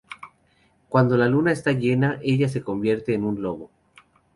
Cuando la luna está llena, ella se convierte en un lobo.